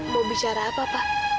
mau bicara apa pak